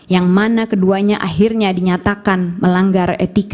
yang mana keduanya akhirnya dinyatakan melanggar etika